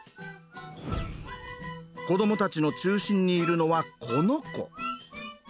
子どもたちの中心にいるのはこの子。